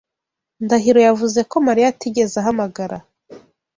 Ndahiro yavuze ko Mariya atigeze ahamagara.